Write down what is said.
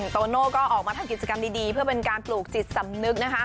โตโน่ก็ออกมาทำกิจกรรมดีเพื่อเป็นการปลูกจิตสำนึกนะคะ